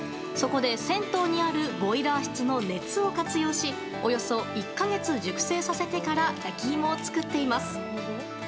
そこで、銭湯にあるボイラー室の熱を活用しおよそ１か月熟成させてから焼き芋を作っています。